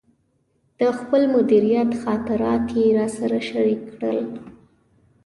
د خپل مدیریت خاطرات یې راسره شریک کړل.